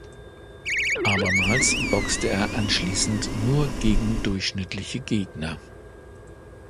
Abermals boxte er anschließend nur gegen durchschnittliche Gegner.